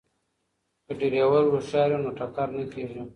که ډریور هوښیار وي نو ټکر نه کیږي.